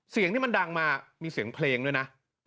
เสียงที่มันดังมามีเสียงเพลงด้วยนะ